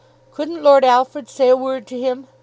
"Couldn't Lord Alfred say a word to him?"